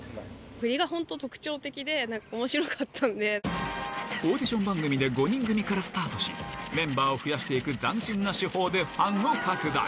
振りが本当特徴的で、オーディション番組で５人組からスタートし、メンバーを増やしていく斬新な手法でファンを拡大。